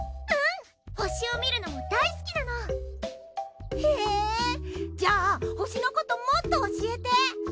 うん星を見るのも大好きなの。へじゃあ星のこともっと教えて。